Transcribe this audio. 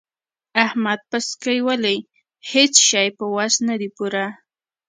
احمد پسکۍ ولي؛ هيڅ شی يې په وس نه دی پوره.